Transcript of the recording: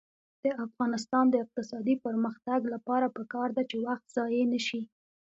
د افغانستان د اقتصادي پرمختګ لپاره پکار ده چې وخت ضایع نشي.